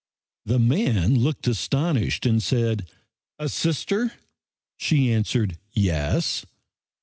The man looked astonished and said: "A Sister?" She answered, "Yes."